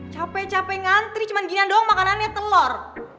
capek capek ngantri cuman ginian doang makanannya telor